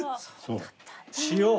塩。